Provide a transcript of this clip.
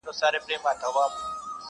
د مرغکیو د عمرونو کورګی٫